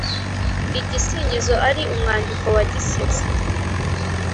Igisingizo ari umwandiko wa gisizi;